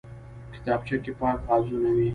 کتابچه کې پاک کاغذونه وي